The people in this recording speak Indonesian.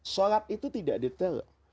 solat itu tidak detail